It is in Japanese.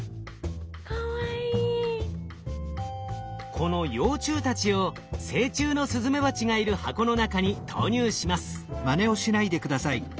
この幼虫たちを成虫のスズメバチがいる箱の中に投入します。